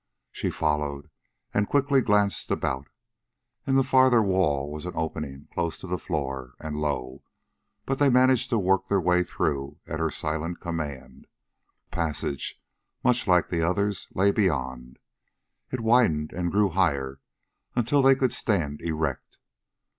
She followed and glanced quickly about. In the farther wall was an opening, close to the floor, and low, but they managed to work their way through at her silent command. A passage, much like the others, lay beyond. It widened and grew higher, until they could stand erect.